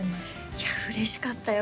いや嬉しかったよ